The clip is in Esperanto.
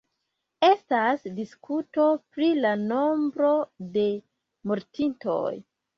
Estas diskuto pri la nombro de mortintoj.